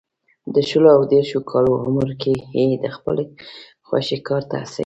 د شلو او دېرشو کالو عمر کې یې د خپلې خوښې کار ته هڅوي.